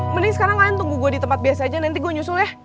mending sekarang kalian tunggu gue di tempat biasa aja nanti gue nyusul ya